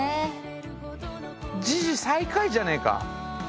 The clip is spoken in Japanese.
時事最下位じゃねえか。